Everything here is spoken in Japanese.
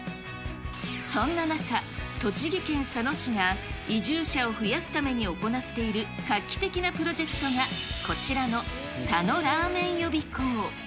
そんな中、栃木県佐野市が移住者を増やすために行っている画期的なプロジェクトがこちらの佐野らーめん予備校。